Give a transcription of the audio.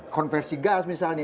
konversi gas misalnya